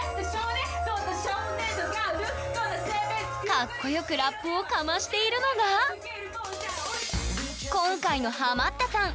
かっこよくラップをかましているのが今回のハマったさん